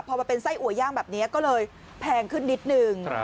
พอมาเป็นไส้อัวย่างแบบนี้ก็เลยแพงขึ้นนิดนึง